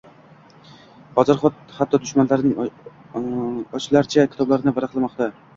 Hozir xatto dushmanlaring ochlarcha kitoblarni varaqlamoqda